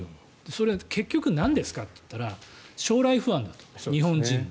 それ、結局なんですかといったら将来不安だと日本人の。